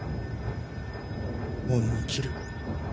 恩に着る。